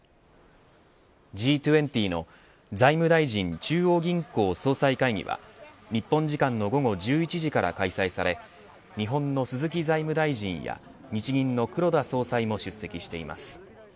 Ｇ２０の財務大臣中央銀行総裁会議は日本時間の午後１１時から開催され日本の鈴木財務大臣や日銀の黒田総裁も出席しています。